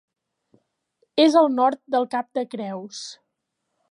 És al nord del Cap de Creus.